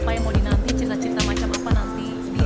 apa yang mau dinanti cerita cerita macam apa nanti